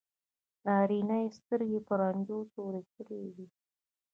نارینه یې سترګې په رنجو تورې کړې وي.